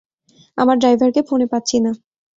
আমার ড্রাইভারকে ফোনে পাচ্ছি না!